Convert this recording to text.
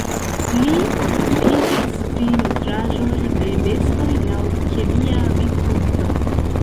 Li okupiĝis pri nutraĵoj de bestoj laŭ kemia vidpunkto.